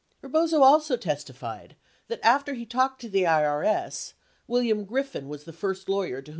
Bebozo also testified that after he talked to the IBS, William Griffin was the first lawyer to whom 22 Ibid.